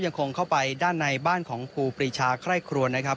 ยังคงเข้าไปด้านในบ้านของครูปรีชาไคร่ครวนนะครับ